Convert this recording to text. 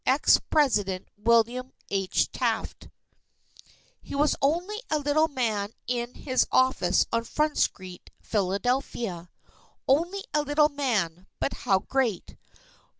_ Ex President WILLIAM H. TAFT He was only a little man in his office on Front Street, Philadelphia. Only a little man but how great!